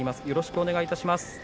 よろしくお願いします。